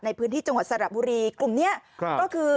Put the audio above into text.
ในพื้นที่จังหวัดสระบุรีกลุ่มนี้ก็คือ